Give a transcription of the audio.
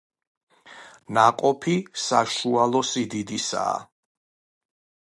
ნაყოფი საშუალო სიდიდისაა.